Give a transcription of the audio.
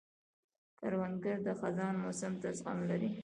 کروندګر د خزان موسم ته زغم لري